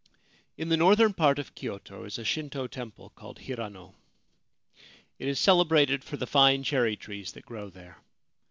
In the northern part of Kyoto is a Shinto temple called Hirano. It is celebrated for the fine cherry trees that grow there.